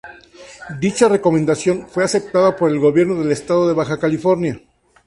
Dicha recomendación fue aceptada por el Gobierno del Estado de Baja California.